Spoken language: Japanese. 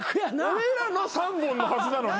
俺らの３本のはずなのに。